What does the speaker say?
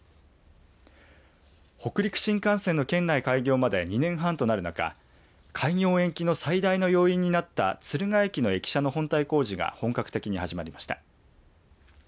北陸新幹線の県内開業まで２年半となる中開業延期の最大の要因になった敦賀駅の駅舎の本体工事が本格的に始まりました。